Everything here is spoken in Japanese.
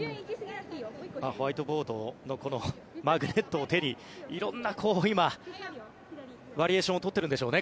ホワイトボードのマグネットを手に色んなバリエーションを取っているんでしょうね